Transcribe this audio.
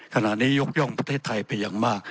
ขณะนี้ยกย่องประเทศไทยไปอย่างมาก